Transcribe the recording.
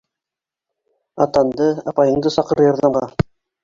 Атанды, апайыңды саҡыр ярҙамға!